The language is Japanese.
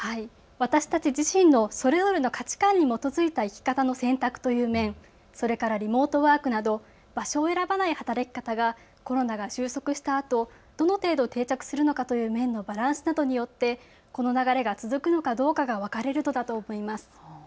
私たち自身のそれぞれの価値観に基づいた生き方の選択という面、それからリモートワークなど場所を選ばない働き方がコロナが終息したあとどの程度定着するのかという面のバランスなどによってこの流れが続くのかどうかが分かれるんだと思います。